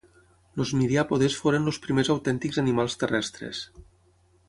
Els miriàpodes foren els primers autèntics animals terrestres.